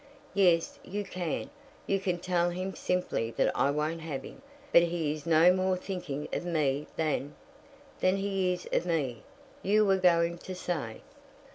"Yes, you can; you can tell him simply that I won't have him. But he is no more thinking of me than " "Than he is of me, you were going to say."